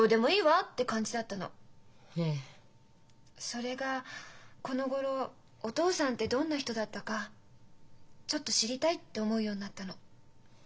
それがこのごろお父さんってどんな人だったかちょっと知りたいって思うようになったの。